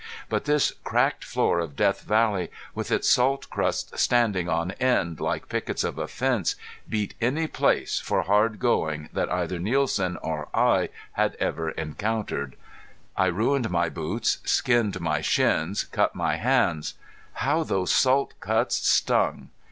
But this cracked floor of Death Valley, with its salt crusts standing on end, like pickets of a fence, beat any place for hard going that either Nielsen or I ever had encountered. I ruined my boots, skinned my shins, cut my hands. How those salt cuts stung!